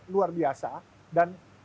luar biasa dan